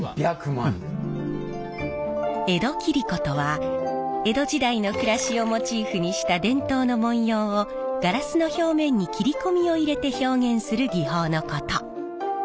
江戸切子とは江戸時代の暮らしをモチーフにした伝統の文様をガラスの表面に切り込みを入れて表現する技法のこと。